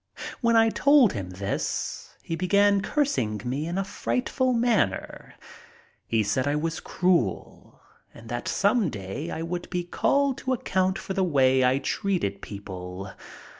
When I told him this, he began cursing me in a frightful manner. He said I was cruel and that some day I would be called to account for the way I treated people.